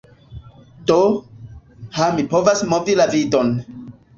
Do... ha mi povas movi la vidon.